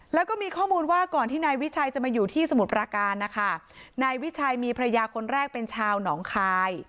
แล้วก็มีข้อมูลว่าก่อนที่นายวิชัยจะมาอยู่ที่สมุทรปราการนะคะนายวิชัยมีภรรยาคนแรกเป็นชาวหนองคาย